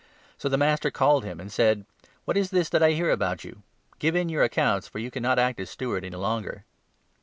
So the master called him 2 and said ' What is this that I hear about you ? Give in your accounts, for you cannot act as steward any longer.'